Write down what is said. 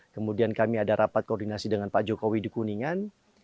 kemudian kami ada rapat koordinasi dengan pak jokowi di kuningan